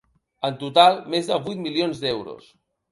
En total, més de vuit milions d’euros.